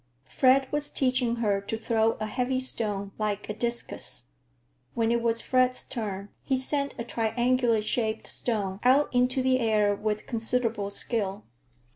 Fred was teaching her to throw a heavy stone like a discus. When it was Fred's turn, he sent a triangular shaped stone out into the air with considerable skill.